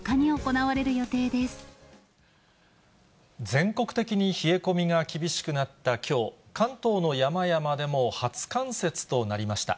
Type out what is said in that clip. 全国的に冷え込みが厳しくなったきょう、関東の山々でも初冠雪となりました。